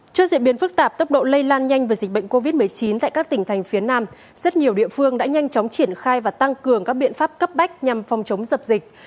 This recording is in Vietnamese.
trước diễn biến phức tạp tốc độ lây lan nhanh về dịch bệnh covid một mươi chín tại các tỉnh thành phía nam rất nhiều địa phương đã nhanh chóng triển khai và tăng cường các biện pháp cấp bách nhằm phòng chống dập dịch